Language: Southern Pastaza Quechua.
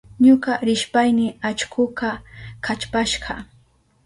Ñuka rishpayni allkuka kallpashka.